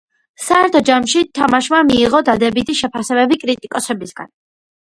საერთო ჯამში თამაშმა მიიღო დადებითი შეფასებები კრიტიკოსებისგან.